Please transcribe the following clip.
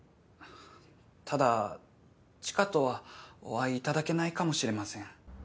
ただ知花とはお会いいただけないかもしれません。